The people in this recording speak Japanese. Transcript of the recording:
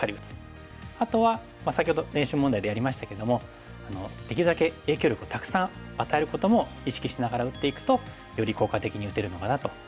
あとは先ほど練習問題でやりましたけどもできるだけ影響力をたくさん与えることも意識しながら打っていくとより効果的に打てるのかなと思いますね。